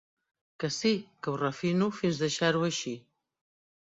Que sí que ho refino fins deixar-ho així.